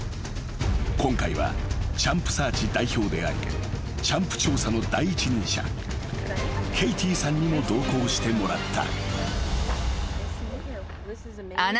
［今回はチャンプサーチ代表でありチャンプ調査の第一人者ケイティさんにも同行してもらった］